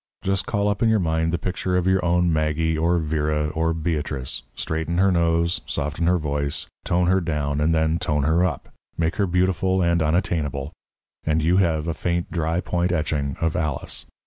Just call up in your mind the picture of your own Maggie or Vera or Beatrice, straighten her nose, soften her voice, tone her down and then tone her up, make her beautiful and unattainable and you have a faint dry point etching of Alice.